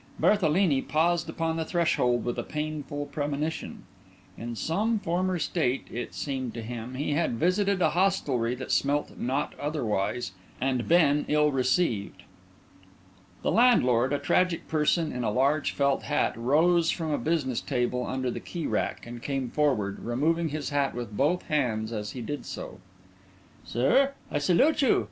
Berthelini paused upon the threshold with a painful premonition. In some former state, it seemed to him, he had visited a hostelry that smelt not otherwise, and been ill received. The landlord, a tragic person in a large felt hat, rose from a business table under the key rack, and came forward, removing his hat with both hands as he did so. "Sir, I salute you.